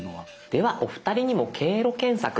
ではお二人にも経路検索ですね。